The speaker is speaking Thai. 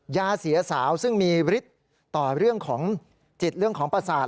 ยาเสียสาวซึ่งมีฤทธิ์ต่อเรื่องของจิตเรื่องของประสาท